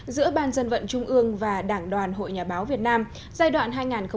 giữa ban dân vận trung ương và đảng đoàn hội nhà báo việt nam giai đoạn hai nghìn một mươi sáu hai nghìn hai mươi